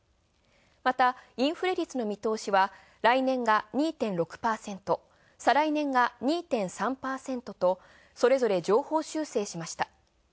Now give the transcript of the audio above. またインフレ率の見通しは来年が２．６％、再来年が２．３％とそれぞれ上方修正しました。